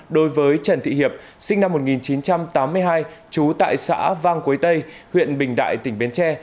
đối với trần thị hiệp sinh năm một nghìn chín trăm tám mươi hai trú tại xã vang quế tây huyện bình đại tỉnh bến tre